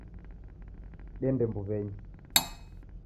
Dende mbuw'enyi.